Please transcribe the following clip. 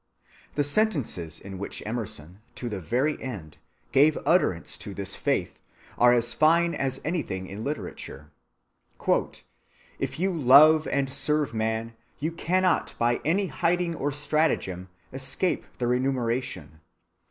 The sentences in which Emerson, to the very end, gave utterance to this faith are as fine as anything in literature: "If you love and serve men, you cannot by any hiding or stratagem escape the remuneration.